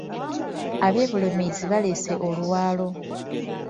Ab’e Bulemeezi baleese oluwalo.